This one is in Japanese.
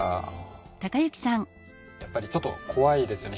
やっぱりちょっと怖いですよね。